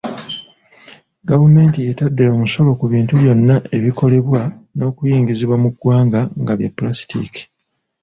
Gavumenti etadde omusolo ku bintu byonna ebikolebwa n’okuyingizibwa mu ggwanga nga bya Pulasitiiki.